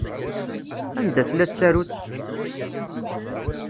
Anda tella tsarut?